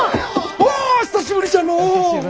おお久しぶりじゃのう！